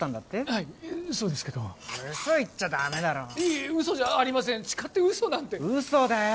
はいそうですけど嘘言っちゃダメだろいえ嘘じゃありません誓って嘘なんて嘘だよ